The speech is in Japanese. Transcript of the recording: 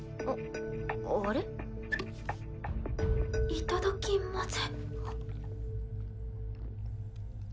いただきます。